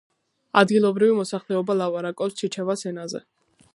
ადგილობრივი მოსახლეობა ლაპარაკობს ჩიჩევას ენაზე.